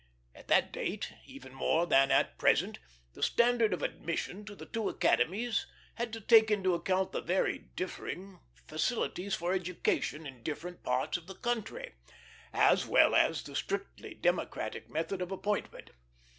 At that date, even more than at present, the standard of admission to the two academies had to take into account the very differing facilities for education in different parts of the country, as well as the strictly democratic method of appointment.